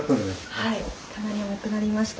はいかなり重くなりました。